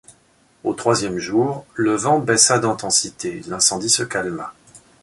Au troisième jour, le vent baissa d'intensité, l'incendie se calma.